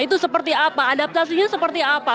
itu seperti apa adaptasinya seperti apa